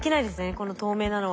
この透明なのは。